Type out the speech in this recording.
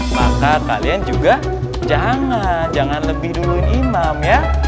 maka kalian juga jangan jangan lebih duluin imam ya